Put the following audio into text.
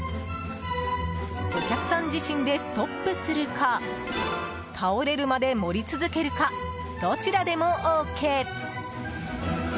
お客さん自身でストップするか倒れるまで盛り続けるかどちらでもＯＫ！